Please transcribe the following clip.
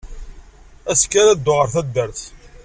Azekka ara dduɣ ɣer taddart.